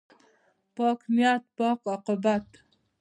پاک نیت، پاک عاقبت.